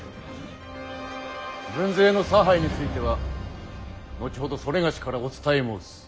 軍勢の差配については後ほど某からお伝え申す。